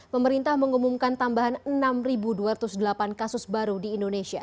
pemerintah mengumumkan tambahan enam dua ratus delapan kasus baru di indonesia